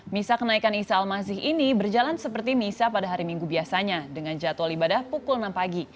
misa kenaikan isa al masih ini berjalan seperti misa pada hari minggu biasanya dengan jadwal ibadah pukul enam pagi